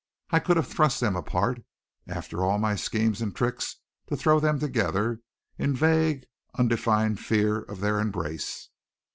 I could have thrust them apart, after all my schemes and tricks, to throw them together, in vague, undefined fear of their embrace.